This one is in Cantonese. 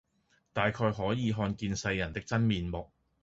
大概可以看見世人的真面目；